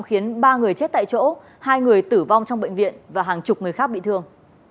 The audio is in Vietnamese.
khiến ba người chết tại chỗ hai người tử vong trong bệnh viện và hàng chục người khác bị thương